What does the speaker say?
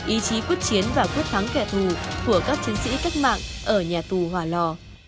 ý chí quyết chiến và quyết thắng kẻ thù của các chiến sĩ cách mạng ở nhà tù hòa lò